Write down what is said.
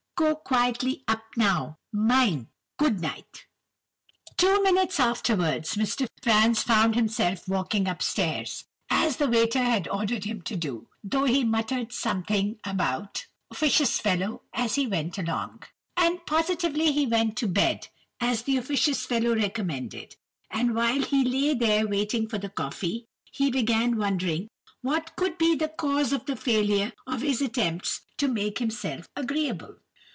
Go quietly up now—mind. Good night.' "Two minutes afterwards, Mr. Franz found himself walking up stairs, as the waiter had ordered him to do, though he muttered something about 'officious fellow' as he went along. "And positively he went to bed, as the officious fellow recommended; and while he lay there waiting for the coffee, he began wondering what could be the cause of the failure of his attempts to make himself agreeable.